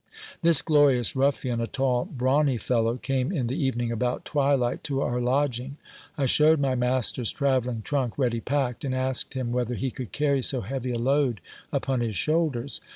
This glorious ruffian, a tall, brawny fellow, came in the evening about twilight to our lodging; I shewed my master's travelling trunk ready packed, and asked him whether he could carry so heavy a load upon his shoulders.